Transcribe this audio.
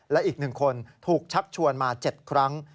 และอีก๑คนถูกชักชวนมา๗ครั้ง